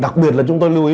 đặc biệt là chúng tôi lưu ý